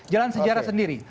jalan sejarah sendiri